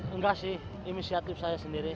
enggak sih inisiatif saya sendiri